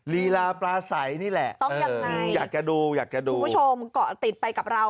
ลีลาประไสนี่แหละอยากจะดูอยากจะดูคุณผู้ชมก็ติดไปกับเรา